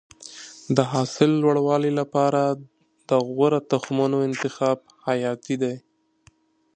د حاصل د لوړوالي لپاره د غوره تخمونو انتخاب حیاتي دی.